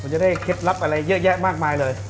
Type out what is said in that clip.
จะได้เคล็ดลับอะไรเยอะแยะมากมายเลย